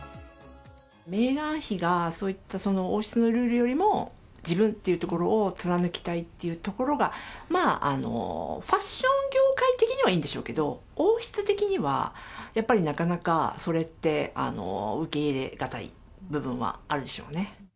メーガン妃がそういった王室のルールよりも、自分っていうところを貫きたいっていうところが、ファッション業界的にはいいんでしょうけど、王室的にはやっぱりなかなか、それって、受け入れ難い部分はあるでしょうね。